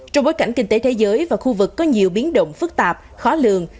trong bối cảnh kinh tế thế giới và khu vực có nhiều biến động phức tạp khó lường